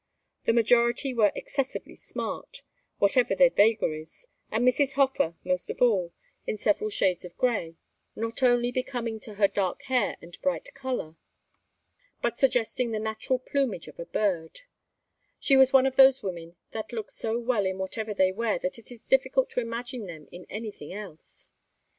The majority were excessively smart, whatever their vagaries, and Mrs. Hofer, most of all, in several shades of gray; not only becoming to her dark hair and bright color, but suggesting the natural plumage of a bird; she was one of those women that look so well in whatever they wear that it is difficult to imagine them in anything else.